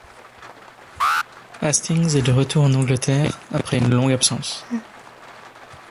Hastings est de retour en Angleterre après une longue absence.